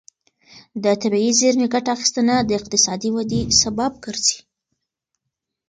د طبیعي زېرمې ګټه اخیستنه د اقتصادي ودې سبب ګرځي.